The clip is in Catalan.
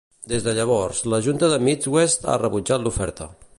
Des de llavors, la junta de Midwest ha rebutjat l'oferta.